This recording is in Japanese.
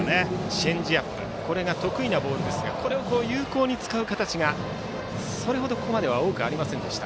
チェンジアップこれが得意なボールですがこれを有効に使う形がそれほど、ここまでは多くありませんでした。